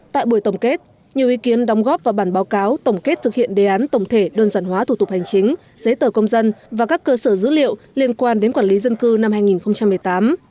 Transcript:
tại buổi tổng kết nhiều ý kiến đóng góp vào bản báo cáo tổng kết thực hiện đề án tổng thể đơn giản hóa thủ tục hành chính giấy tờ công dân và các cơ sở dữ liệu liên quan đến quản lý dân cư năm hai nghìn một mươi tám